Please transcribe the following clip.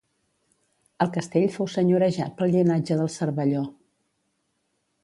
El castell fou senyorejat pel llinatge dels Cervelló.